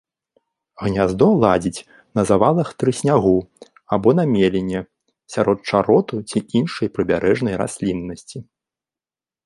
Гняздо ладзіць на завалах трыснягу або на меліне сярод чароту ці іншай прыбярэжнай расліннасці.